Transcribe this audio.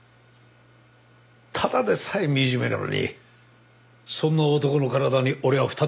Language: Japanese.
ただでさえ惨めなのにそんな男の体に俺は再びメスを入れた。